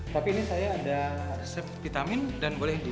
tapi ini saya ada resep vitamin dan boleh hidup